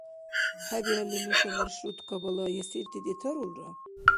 ХӀебиалли, нуша маршруткабала ясирти детарулра?"